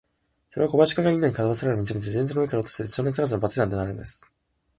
それは小林君が、インド人に、かどわかされる道々、自動車の上から落としていった、少年探偵団のバッジが目じるしとなったのです。